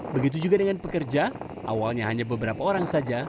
begitu juga dengan pekerja awalnya hanya beberapa orang saja